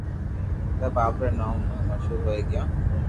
سب آپري نوم مون مݾھور ھوئي گيو